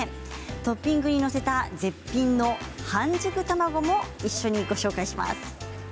トッピングに載せた絶品の半熟卵も一緒にご紹介します。